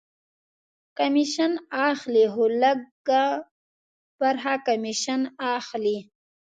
کمیشن اخلي؟ هو، لږ ه برخه کمیشن اخلی